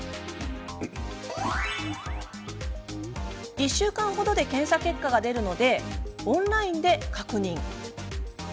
１週間程で検査結果が出るのでオンラインで確認します。